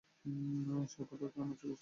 Shepherd, ওকে আমার চোখের সামনে থেকে নিয়ে যাও!